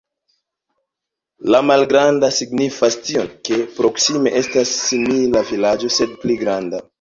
La malgranda signifas tion, ke proksime estas simila vilaĝo, sed pli granda.